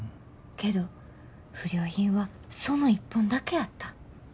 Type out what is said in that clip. けど不良品はその一本だけやった。